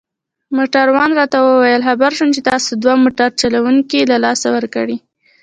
موټروان راته وویل: خبر شوم چي تاسي دوه موټر چلوونکي له لاسه ورکړي.